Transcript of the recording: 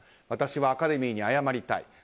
私はアカデミーに謝りたい。